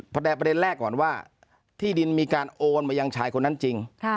ประเด็นแรกก่อนว่าที่ดินมีการโอนมายังชายคนนั้นจริง